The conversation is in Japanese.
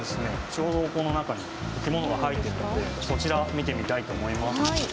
ちょうどこの中に生き物が入ってるのでそちら見てみたいと思います。